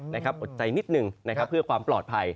นะครับอดใจนิดหนึ่งเพื่อความปลอดภัย